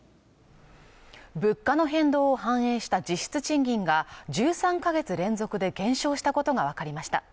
物価の変動を反映した実質賃金が１３か月連続で減少したことがわかりました。